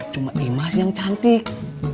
cuma imas yang cantik